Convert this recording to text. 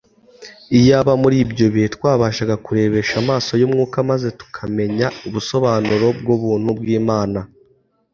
Iyaba muri ibyo bihe twabashaga kurebesha amaso yumwuka maze tukamenya ubusobanuro bwubuntu bwImana